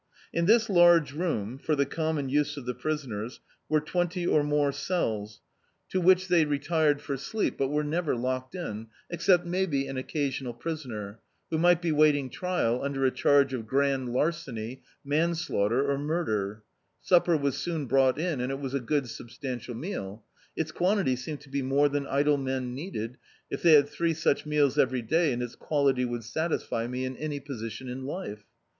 In this large room, for the common use of the priscners, were twenty or more cells, to which they (69] D,i.,.db, Google The Autobiography of a Super Tramp retired for sleep, but were never locked in— except maybe, an occasimal prisoner, who mi^t be waiting trial under a charge of grand larceny, manslaughter, or murder. Supper was soon brou^t in, and it was a good substantial meal. Its quantity seemed to be more than idle men needed, if they had three such meals every day, and its quality would satisfy me in any position in life.